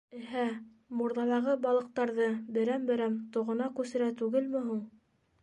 Эһә, мурҙалағы балыҡтарҙы берәм-берәм тоғона күсерә түгелме һуң?